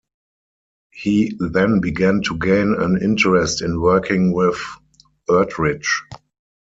He then began to gain an interest in working with Erdrich.